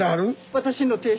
私の亭主。